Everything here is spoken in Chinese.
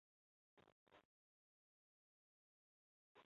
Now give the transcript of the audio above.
太阳走廊中最大的都会区为凤凰城都会区太阳谷和图森都会区。